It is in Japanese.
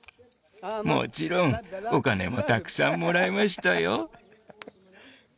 もちろんお金もたくさんもらいましたよ